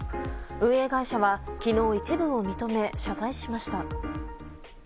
運営会社は昨日、一部を認め謝罪しました。